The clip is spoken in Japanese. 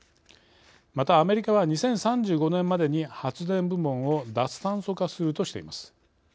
また、アメリカは２０３５年までに発電部門を脱炭素化するとしています。